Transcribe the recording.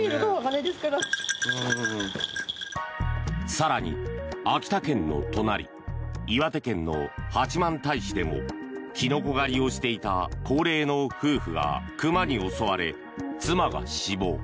更に、秋田県の隣岩手県の八幡平市でもキノコ狩りをしていた高齢の夫婦が熊に襲われ妻が死亡。